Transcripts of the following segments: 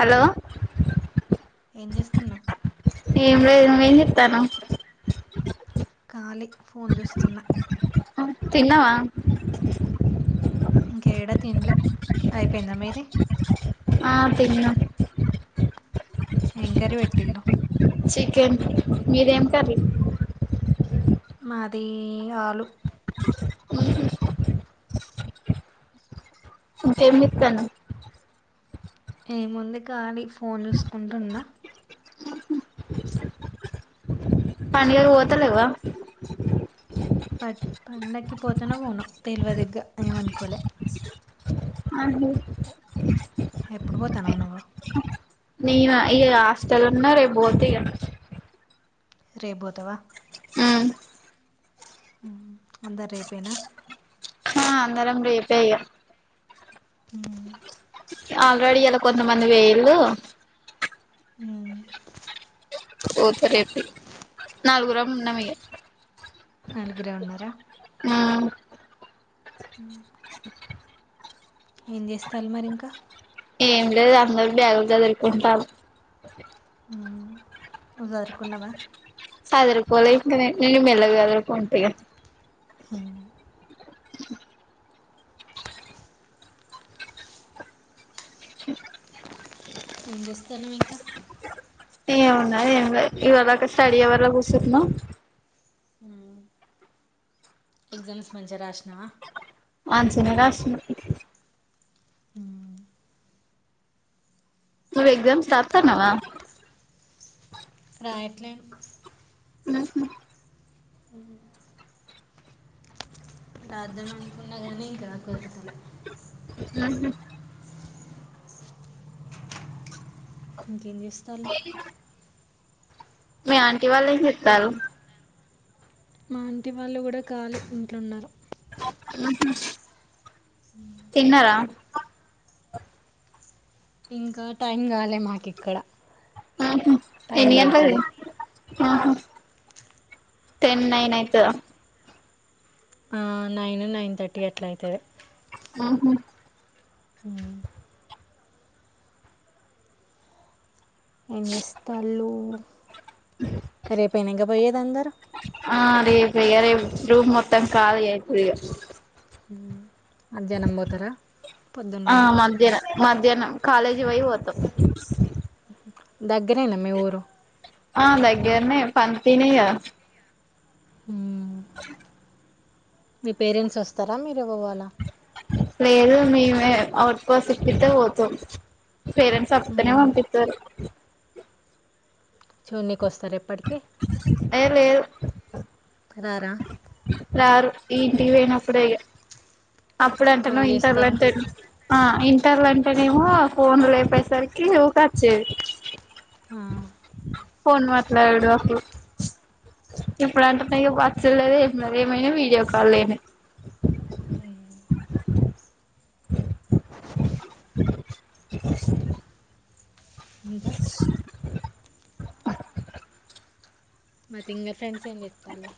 Hello. ఏం చేస్తున్నావు ఏం లేదు నువ్వేం చేత్తనవ్. ఖాలీ ఫోన్ చూస్తున్నా. తిన్నావా. ఇంకేడా తిన్లే అయిపోయిందా మీది. ఆ తిన్న. ఏంకరి పెట్టిల్లు. చికెన్ మీదేం కర్రీ. మాది ఆలు. ఇంకేం చేతనవ్. ఏముంది కానీ ఫోన్ చూసుకుంటున్నా. పండుగకు పోతలెవ్వ. పోతనో పోనో తెలివది ఇగ్గ ఏమనుకోలే. అదే. ఎప్పుడు పోతానవు నువ్వు. నేను ఇ హాస్టల్ ఉన్నా రేపు బోత ఇగ రేబోతవా ఊమ్ అందరు రేపేనా ఆ అందరం రేపే ఇగ ఊమ్ ఆల్రెడీ ఇయలా కొంతమంది పెయేరుకదా ఊమ్ ఓ సరే నలుగురం ఉన్నాం ఇగ నలుగురే ఉన్నారా ఉమ్ ఊమ్ [unintelligible] ఏం చేస్తల్ మరి ఇంకా ఏం లేదు అందరు బ్యాగులు సదురుకుంటాల్ ఊమ్ నువ్ సదురుకున్నావా నేన్ మెల్లగా సదురుకుంటా ఇగ ఊమ్ [unintelligible] [unintelligible] [unintelligible] ఏం చేస్తాన్నవ్ ఇంకా ఏమున్నది ఏం లేదు ఇవాడ్దాకా స్టడీ హౌర్లా కూర్చునం, హు ఎగ్జామ్స్ మంచి గా రాసినవా, మంచిగానే రాసిన ఊమ్ నువ్వు ఎగ్జామ్స్ రాతన్నవా, రాయట్లే ఉహు ఊహు రాదామనుకున్నా గానీ ఇంకా కుదుర్తలే ఉహు ఇంకేం చేస్తార్లు మీ ఆంటీ వాళ్ళు ఏం చేతళ్లు మా ఆంటి వాళ్ళు గూడా కాలే ఇంట్లున్నరు, ఉహు తిన్నరా ఇంకా టైం కాలే మాకు ఇక్కడ ఊహు టైం ఎన్ని గంట్లది పడుతుంది ఉహు టెన్ నైన్ అయితద ఆ నైన్ నైన్ థర్టీ అట్ల అయితది. ఊహు ఊ ఏం చేస్తలు రేపే నా ఇంగా పోయేది అందరు ఆ రేపే ఇగ రేపు రూమ్ మొత్తం ఖాళీ అయితది ఇగా ఊ మధ్యాహ్నం పోతరా ఆ మధ్యాహ్నం మధ్యాహ్నం కాలేజ్ పోయి పోతాం, ఊ దగ్గరేనా మీ ఊరు ఆ దగ్గర్నె పంతినే కాదా [unintelligible] మీ పేరెంట్స్ వస్తరా మీర్ లేదు మేమే అవుబస్ ఎక్కితే పోతం, పేరెట్స్ వాతనే పంపిత్తరు, చున్నీక్ ఏ లేదు రారా రారు ఇంటి పోయినప్పుడే ఇగా అప్పుడు అంటే నో కాల్ ఇంటర్ లా చేస్తారా టెన్ ఆ ఇంటర్లు అంటేనేమో ఫోన్ లేపేసరికి ఊకోచ్చేది. ఆ ఫోన్ మాట్లాడుడో అప్పు ఎప్పుడంటే ఎం వచ్చుడు లేదు ఏమైనా వీడియో కాల్ లేనే [unintelligible] [unintelligible] ఇంకా [unintelligible] మా తింగరి ఫ్రెండ్సే ఎం చేతుల్లో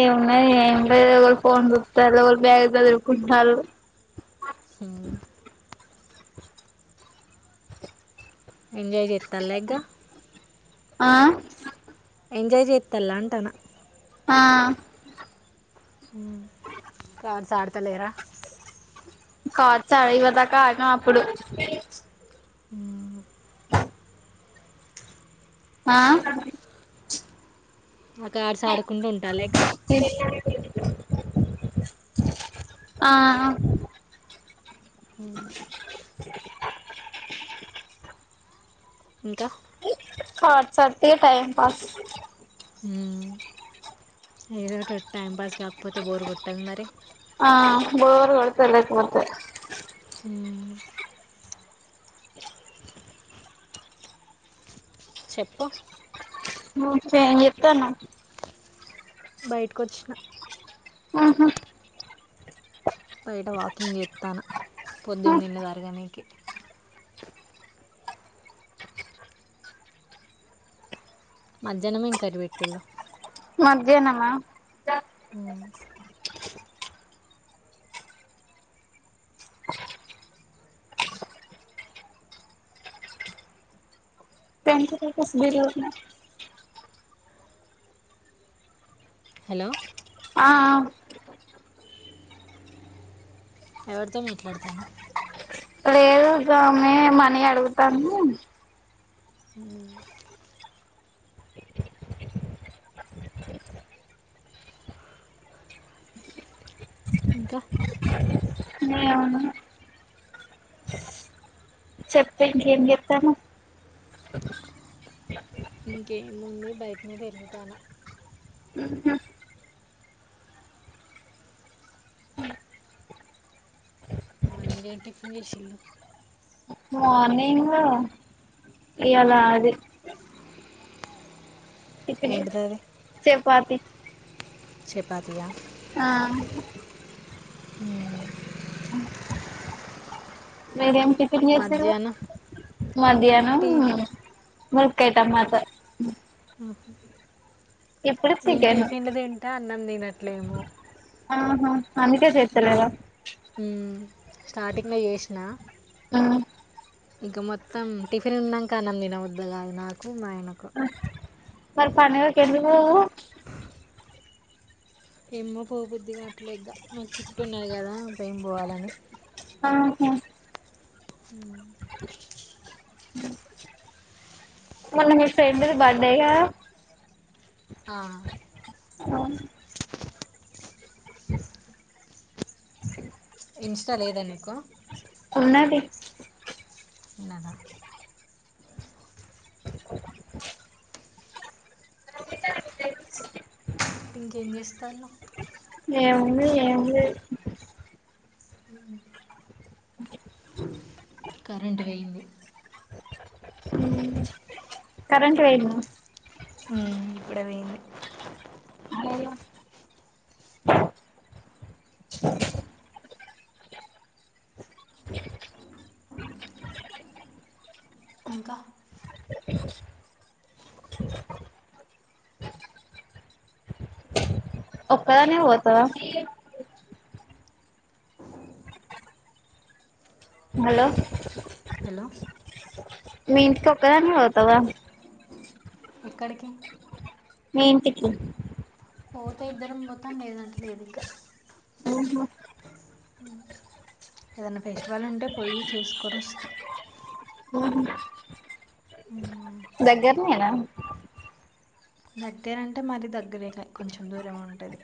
ఏమున్నది ఏంలేదు ఒకళ్లు ఫోన్ చుత్తల్ ఒకళ్లు బ్యాగ్ సదుర్కుంటాళ్ళు, హు ఎంజాయ్ చెత్తల్లేగ్గా ఆ ఎంజాయ్ చెత్తలంటన ఆ ఉమ్ కాడ్స్ ఆడతలేరా కార్డు్సా ఇదివరదాకా ఆడినం అప్పుడు ఊమ్ ఆ ఆకాడస్ ఆడకుండా ఉంటాలిగా ఆ మ్మ్ [inaudible] ఇంకా కాడ్స్ ఆ డితే ఇగ టైమ్పాస్ ఉమ్ ఏదో తోట్ టైంపాస్ కాకపోతే బోరు కొట్టది మరి తెలకిపోతే మ్ చెప్పు నువు ఎంజేత్తన్నావ్ బయటకొచ్చిన అహా బయట వాకింగ్ జేత్తన్న పొద్దున్నదిన్నదరగనికి మజ్జనం ఎంకర్రి పెట్టిల్లు మధ్యాహ్నమా [unintelligible] హలో ఆ అ ఎవరితో మాట్లాడతానవు లేదు గామే మనీ అడుగుతన్ను ఉమ్ ఇంక నేను చెప్తే ఇంకేంజేత్తన్నవ్ ఇంకేముంది బయటనే తిరుగుతానా మనింగ్ ఏంటిఫిన్ చెషిల్లు మార్నింగ్ ఇవాలా అది టిఫిన్ ఏంటిది చేపాతి చేపతియా ఆ హ్మ్మ్ హా మీరేమి టిఫిన్ చేసారు మధ్యాహ్నం మధ్యాహ్నం టీ ములుకయి టమటా మేన్ చికెన్ టిఫిన్లు తింటే అన్నం తినట్లేము ఆహా అందుకే చేతలేదా స్టార్టింగ్ లో చేసిన ఆ ఇంక మొత్తం టిఫిన్ తిన్నాక అన్నం తినబుద్ధి కాదు నాకు మా ఆయనకు మరి పండగకు ఎందుకు పోవు ఏమో పోబద్దిగా అట్లగ్గ మన చుట్టూ ఉన్నది కదా భమి పోవాలని ఆహా ఉ మన్న మీ ఫ్రెండ్ది బర్డేగా ఆ అ ఇన్స్టా లేదా నీకు ఉన్నది నానా ఇంకేం చేస్తాలు ఏం ఉంది ఎమ్మే ఉ కరెంటు వేయింది కరెంట్ వైద ఉ ఇప్పుడే వైది ఇంకా ఒకదానివే పోతావా హలో హలో మీ ఇంటికి ఒకదానివే పోతవా ఎక్కడికి మీ ఇంటికి పోతే ఇద్దరం పోతాం లేదంటె లేదు ఇంగ ఊహు ఉ ఏదనా ఫెస్టివల్ ఉంటే పోయి చూసుకొని వస్తా దగ్గర్నయ్న దగ్గరంటే మరీ దగ్గరేకా కొంచెం దూరం ఉంటది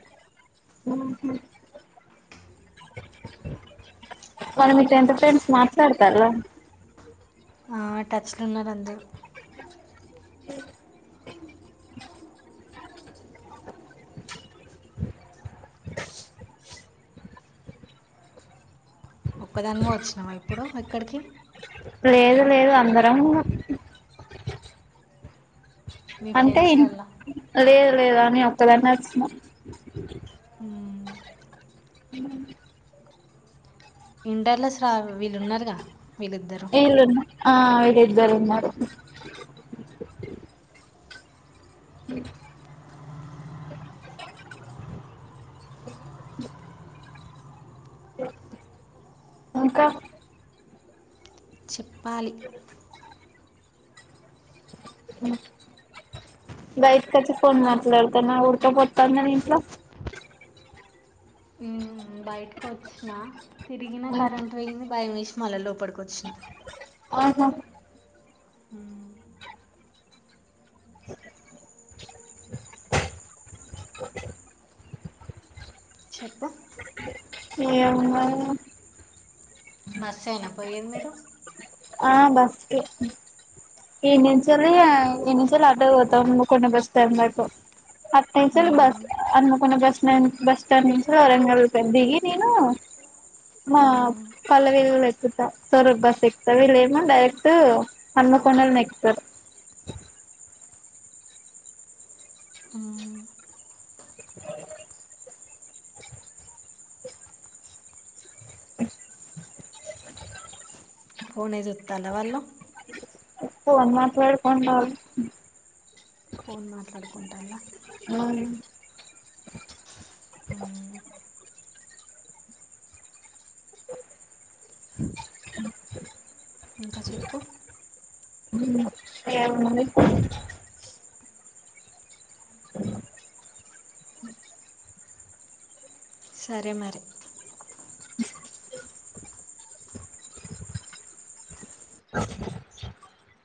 ఊహు మరూ మీ టెన్త్ ఫ్రెండ్స్ మాట్లాడతార టచ్లో ఉన్నారు అందరూ ఒక్కదానిమ వచ్చినామా ఇప్పుడు ఎక్కడికి లేదు లేదు అందరం ఉనం మీ అంటే ఇ ఫ్రెండ్స్లల్లా లేదు లేదు అని ఒకదన్న వచ్చినం ఉ ఇంటారులేసలు వీళ్ళున్నారుగా ఇన్నా ఆ ఇళద్దారు ఉన్నారు ఇంకా చెప్పాలి బైకా చ ఫోన్ మట్లాడతన్నా ఉఊడతో పోతా నిట్లో మ్మ్, బయటకు వచ్చిన తిరిగినా కరెంట్ వే్యంది భయం వేసి మల లోపలిక వచ్చిన ఆహా మ్మ్. చెపూ ఏందో బస్సు అయినా పోయది మీరు ఆ బస్కే ఎనిచిలే ఎంచి ఆటకు పాతం హన్మకోడ అటునుచేలి బస్ మ్మ్. హనుమకొండ బస్ న బస్ స్టాండ్ నిస వరంగల్కి వెందిగి నను ఆ పలవలు ఎకుత సవర బస్ ఎక్ వీళ్ళేమో డైరెక్ట్ హన్మకొండలు నెక్స్తారు [inaudible] [inaudible] తల వాలో ఫోన్ మాట్లాడుకుంటాళ్లు ఫోన్ మాట్లాడుకుంటాల్లా హ ఇంకా చెప్పు ఉమ్ ఏముందండి అ సరే మరి అ